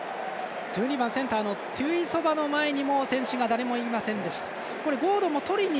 １２番、センターのテュイソバの前にも選手が誰もそばにいませんでした。